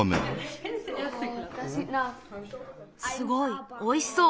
すごいおいしそう。